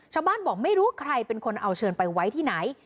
บอกไม่รู้ใครเป็นคนเอาเชิญไปไว้ที่ไหน